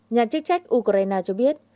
nhà chức trách ukraine cho biết